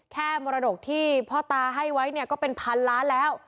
แค่มรดกที่พ่อตาให้ไว้ก็เป็นพันล้านแล้ว